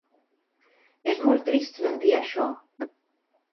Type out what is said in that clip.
És molt trist sentir això.